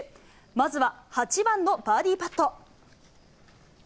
まずは８番のバーディーパット。